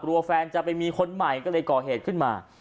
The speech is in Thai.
แฟนจะไปมีคนใหม่ก็เลยก่อเหตุขึ้นมา